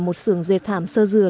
một sưởng dệt thảm sơ dừa